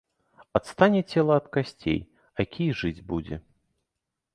Адстане цела ад касцей, а кій жыць будзе.